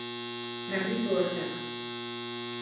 Garbitu hortzak.